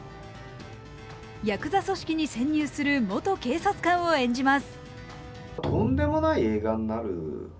やくざ組織に潜入する元警察官を演じます。